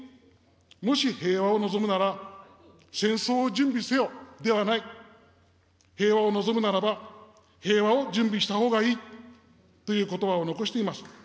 もし平和を望むなら、戦争を準備せよではない、平和を望むならば、平和を準備したほうがいいということばを残しています。